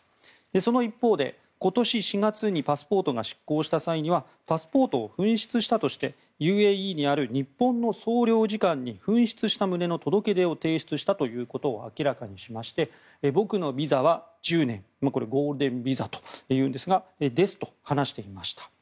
その一方で、今年４月にパスポートが失効した際にはパスポートを紛失したとしてＵＡＥにある日本の総領事館に紛失した旨の届け出を提出したということを明らかにしまして僕のビザは１０年ゴールデンビザというんですがそれですと話していました。